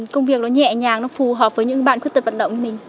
công việc nó nhẹ nhàng nó phù hợp với những bạn khuyết tật vận động như mình